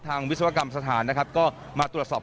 วิศวกรรมสถานนะครับก็มาตรวจสอบ